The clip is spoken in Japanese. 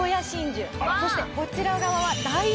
そしてこちら側は。